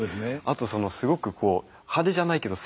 あとすごくこう派手じゃないけど